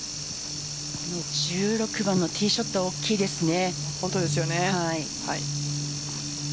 １６番のティーショットは大きいですね。